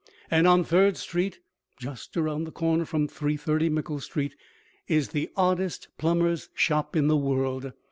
And on Third Street, just around the corner from 330 Mickle Street, is the oddest plumber's shop in the world.